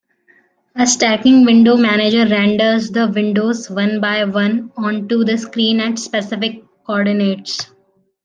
A stacking window manager renders the windows one-by-one onto the screen at specific co-ordinates.